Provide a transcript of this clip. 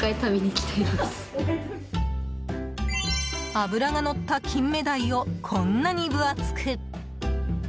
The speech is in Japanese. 脂がのったキンメダイをこんなに分厚く。